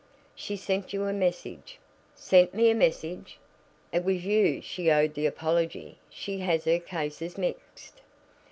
She sent you a message." "Sent me a message! It was to you she owed the apology. She has her cases mixed."